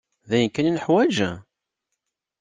D ayen kan i nuḥwaǧ?